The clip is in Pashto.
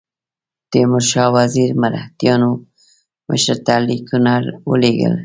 تیمورشاه وزیر مرهټیانو مشر ته لیکونه ولېږل.